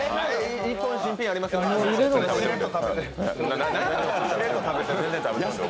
１本新品あります